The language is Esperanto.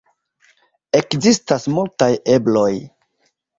Ekzistas multaj ebloj.